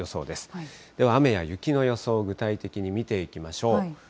では雨や雪の予想を具体的に見ていきましょう。